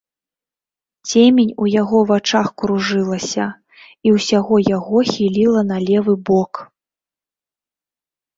Цемень у яго вачах кружылася, і ўсяго яго хіліла на левы бок.